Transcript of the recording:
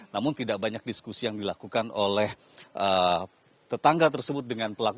namun tidak banyak diskusi yang dilakukan oleh tetangga tersebut dengan pelaku